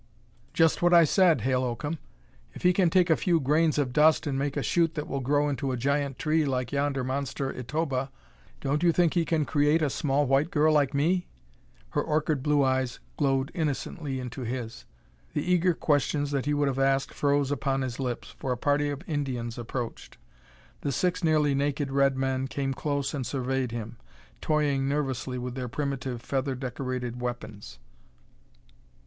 "Just what I said, Hale Oakham. If he can take a few grains of dust and make a shoot that will grow into a giant tree like yonder monster itauba, don't you think he can create a small white girl like me?" Her orchid blue eyes glowed innocently into his. The eager questions that he would have asked froze upon his lips, for a party of Indians approached. The six nearly naked red men came close and surveyed him, toying nervously with their primitive, feather decorated weapons.